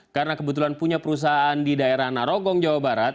karena kebetulan punya perusahaan di daerah narogong jawa barat